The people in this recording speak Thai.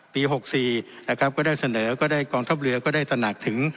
๖๔นะครับก็ได้เสนอก็ได้กองทัพเรือก็ได้ตระหนักถึง